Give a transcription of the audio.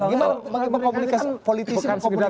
ini bagaimana komunikasi politis